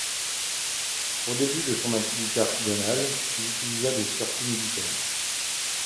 Au début de son activité artisanale, il utilisa des surplus militaires.